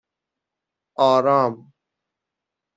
آرام